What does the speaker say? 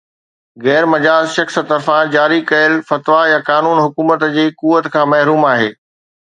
غير مجاز شخص طرفان جاري ڪيل فتويٰ يا قانون حڪومت جي قوت کان محروم آهي